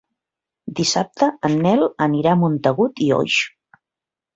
Dissabte en Nel anirà a Montagut i Oix.